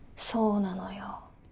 そうなのよ。